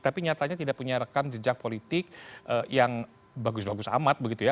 tapi nyatanya tidak punya rekam jejak politik yang bagus bagus amat begitu ya